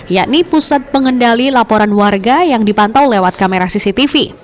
yakni pusat pengendali laporan warga yang dipantau lewat kamera cctv